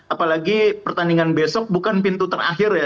apalagi pertandingan besok bukan pintu terakhir ya